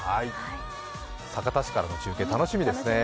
酒田市からの中継、楽しみですね。